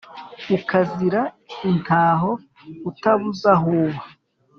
ukazira intaho utabuze aho uba